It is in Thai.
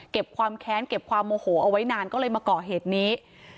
ความแค้นเก็บความโมโหเอาไว้นานก็เลยมาก่อเหตุนี้